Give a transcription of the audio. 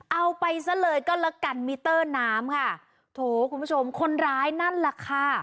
เอาไปซะเลยก็แล้วกันมิเตอร์น้ำค่ะโถคุณผู้ชมคนร้ายนั่นแหละค่ะ